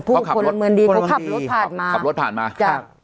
คนละเมืองดีเขาขับรถผ่านมาขับรถผ่านมาจาก